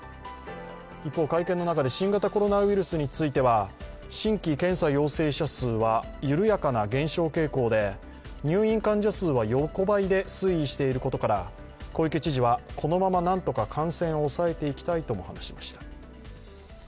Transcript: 一方、会見の中で新型コロナウイルスについては新規検査陽性者数は緩やかな減少傾向で入院患者数は横ばいで推移していることから小池知事は、このままなんとか感染を抑えていきたいとも話しました。